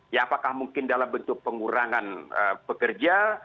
ya apakah mungkin dalam bentuk pengurangan pekerja